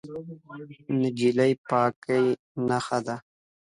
نجلۍ د پاکۍ نښه ده.